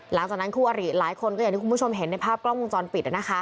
หลังจากนั้นคู่อาริหลายคนอย่างที่คุณผู้ชมเห็นในภาพกล้องมุมจรปิด